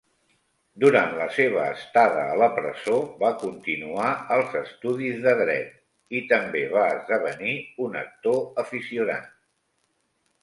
Durant la seva estada a la presó va continuar els estudis de dret, i també va esdevenir un actor aficionat.